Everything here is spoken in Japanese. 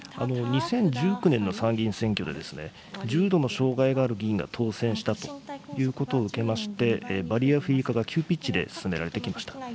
２０１９年の参議院選挙で、重度の障害のある議員が当選したということを受けまして、バリアフリー化が急ピッチで進められてきました。